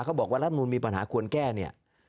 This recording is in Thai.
เขาบอกว่ารัฐมนูลมีปัญหาควรแก้เนี่ย